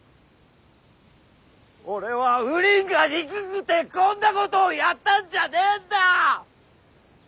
俺はウリンが憎くてこんなことをやったんじゃねえんだ！